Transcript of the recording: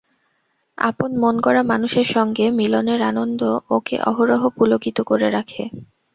আপন মনগড়া মানুষের সঙ্গে মিলনের আনন্দ ওকে অহরহ পুলকিত করে রাখে।